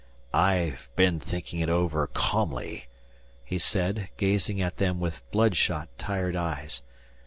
"I've been thinking it over calmly," he said, gazing at them with bloodshot, tired eyes.